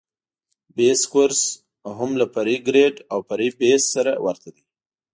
بیس کورس هم له فرعي ګریډ او فرعي بیس سره ورته دی